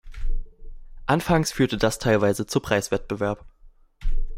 Anfangs führte das teilweise zu Preiswettbewerb.